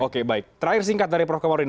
oke baik terakhir singkat dari prof komodin